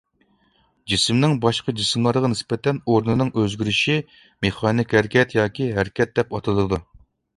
جىسىمنىڭ باشقا جىسىملارغا نىسبەتەن ئورنىنىڭ ئۆزگىرىشى مېخانىك ھەرىكەت ياكى ھەرىكەت دەپ ئاتىلىدۇ.